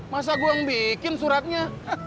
masa gue yang bikin suratnya